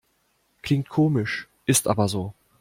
Klingt komisch, ist aber so.